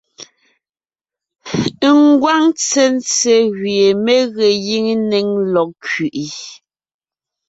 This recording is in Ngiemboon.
Ngwáŋ ntsentse gẅie mé ge gíŋ néŋ lɔg kẅiʼi,